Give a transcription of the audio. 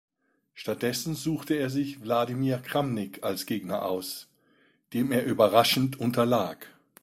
Stattdessen suchte er sich Wladimir Kramnik als Gegner aus, dem er überraschend unterlag.